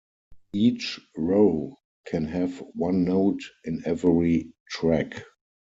Each row can have one note in every track.